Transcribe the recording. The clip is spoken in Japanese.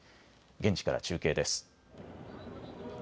現地から中継です。